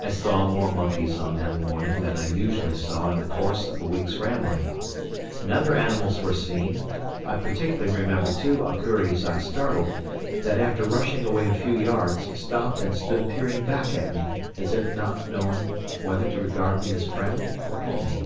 I saw more monkeys on that morning than I usually saw in the course of a week's rambling. And other animals were seen; I particularly remember two accouries I startled, that after rushing away a few yards stopped and stood peering back at me as if not knowing whether to regard me as friend or enemy.